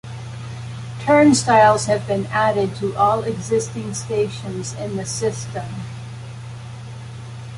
Turnstiles have been added to all existing stations in the system.